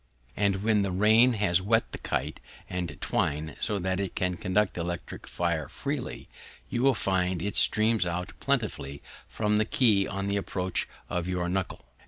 And when the rain has wet the kite and twine, so that it can conduct the electric fire freely, you will find it stream out plentifully from the key on the approach of your knuckle.